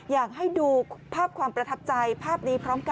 อยากให้ดูภาพความประทับใจภาพนี้พร้อมกัน